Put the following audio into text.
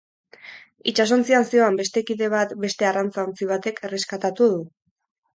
Itsasontzian zihoan beste kide bat beste arrantza-ontzi batek erreskatatu du.